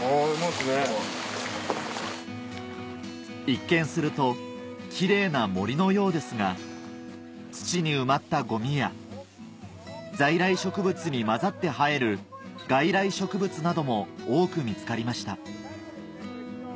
一見するとキレイな森のようですが土に埋まったゴミや在来植物に交ざって生える外来植物なども多く見つかりました